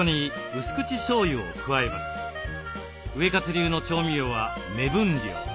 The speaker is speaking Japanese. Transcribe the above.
ウエカツ流の調味料は目分量。